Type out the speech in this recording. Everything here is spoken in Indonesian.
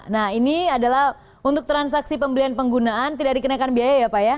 nah ini adalah untuk transaksi pembelian penggunaan tidak dikenakan biaya ya pak ya